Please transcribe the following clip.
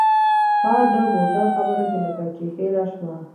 ها د بوتل خبره دې لکه چې هېره شوه.